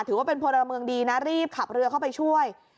ถือว่าเป็นพลเมืองดีนะรีบขับเรือเข้าไปช่วย